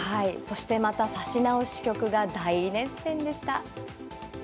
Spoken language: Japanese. そしてまた指し直し局が大熱戦でした。